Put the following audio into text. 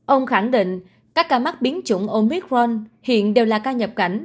ông khẳng định các ca mắc biến chủng omicron hiện đều là ca nhập cảnh